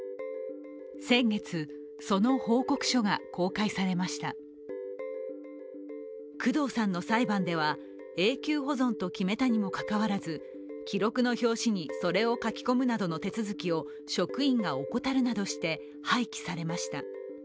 先月、その報告書が公開されました工藤さんの裁判では永久保存と決めたにもかかわらず、記録の表紙にそれを書き込むなどの手続きを職員が怠るなどして廃棄されました。